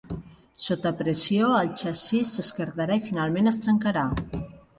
Sota pressió, el xassís s'esquerdarà i finalment es trencarà.